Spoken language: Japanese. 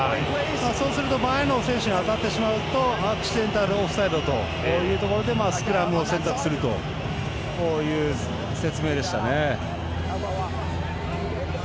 そうすると、前の選手に当たってしまうとアクシデンタルオフサイドということでスクラムを選択するという説明でしたね。